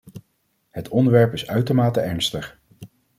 Het onderwerp is uitermate ernstig.